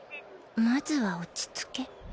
まずは落ち着け？